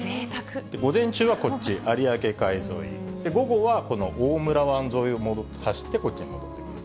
午前中はこっち、有明海沿い、午後はこの大村湾沿いを走ってこっちに戻ってくる。